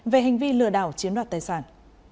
về hành vi lừa đảo chiếm đoạt tài sản